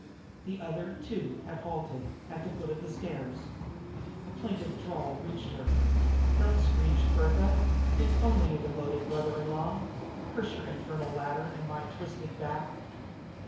The other, too, had halted at the foot of the stairs. A plaintive drawl reached her: "Don't screech, Bertha! It's only your devoted brother in law. Curse your infernal ladder, and my twisted back!"